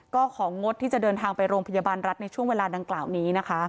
ก็ของงดที่จะเดินทางไปโรงพยาบาลรัฐในช่วงเวลาดังกล่าวนี้นะคะ